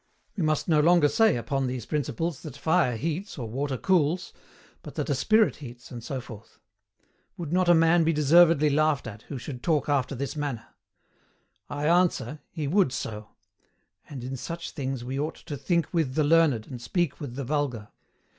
We must no longer say upon these principles that fire heats, or water cools, but that a Spirit heats, and so forth. Would not a man be deservedly laughed at, who should talk after this manner? I ANSWER, he would so; in such things we ought to THINK WITH THE LEARNED, AND SPEAK WITH THE VULGAR.